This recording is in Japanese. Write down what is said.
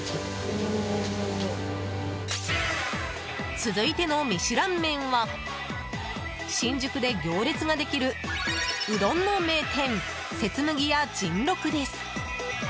続いてのミシュラン麺は新宿で行列ができるうどんの名店切麦や甚六です。